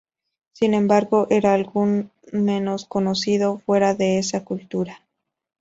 Sin embargo, era algo menos conocido fuera de esa cultura.